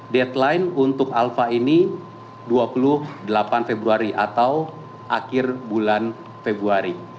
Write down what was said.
deadline untuk alfa ini dua puluh delapan februari atau akhir bulan februari